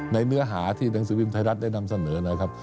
ในเนื้อหาที่นักงานสินวิทย์ไฟรัตน์ได้นำเสนอนี่นะครับ